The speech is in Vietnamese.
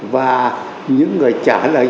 và những người trả lời